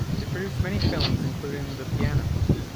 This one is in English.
They produced many films including "The Piano".